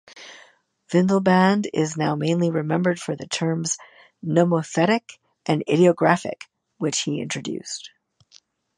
Windelband is now mainly remembered for the terms "nomothetic" and "idiographic", which he introduced.